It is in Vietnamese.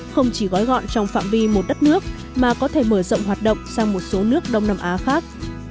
không chỉ gói gọn trong phạm vi một đất nước mà có thể mở rộng hoạt động sang một số nước đông nam á khác